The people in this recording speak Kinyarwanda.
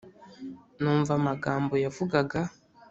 Numva amagambo yavugaga